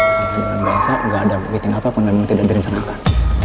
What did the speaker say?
saya dengan bayasa tidak ada meeting apapun memang tidak dirancangkan